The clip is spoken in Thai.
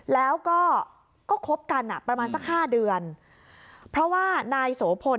แล้วก็ก็คบกันอ่ะประมาณสักห้าเดือนเพราะว่านายโสพล